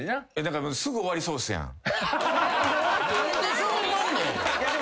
何でそう思うねん！？